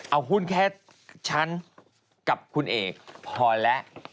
เอาหุ้นแค่ฉันกับคุณเอกพอแล้ว